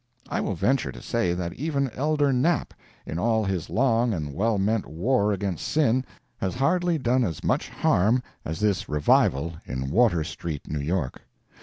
I will venture to say that even Elder Knapp, in all his long and well meant war against sin, has hardly done as much harm as this "revival" in Water street, New York.